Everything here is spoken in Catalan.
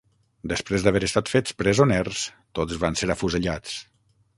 Després d'haver estat fets presoners, tots van ser afusellats.